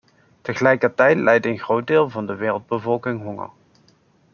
Tegelijkertijd lijdt een groot deel van de wereldbevolking honger.